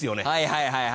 はいはい。